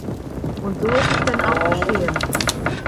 Und so ist es denn auch geschehen.